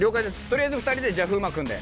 取りあえず２人でじゃあ風磨君で。